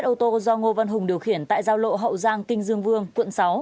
hai ô tô do ngô văn hùng điều khiển tại giao lộ hậu giang kinh dương vương quận sáu